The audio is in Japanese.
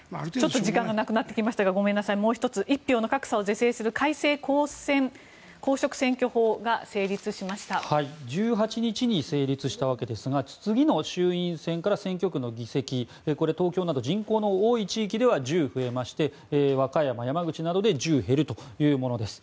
時間がなくなってきましたごめんなさい、もう１つ一票の格差を是正する改正公職選挙法が１８日に成立したわけですから次の衆院から選挙区の議席これ、東京など人口の多い地域では１０増えまして和歌山、山口などで１０減るというものです。